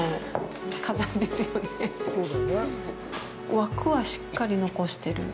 枠はしっかり残してる。